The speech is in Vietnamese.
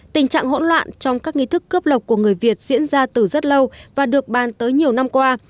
tình trạng hỗn loạn trong các nghi thức cướp lọc của người việt diễn ra từ rất lâu và được bàn tới nhiều năm qua